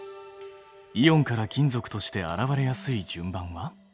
イオンから金属として現れやすい順番は？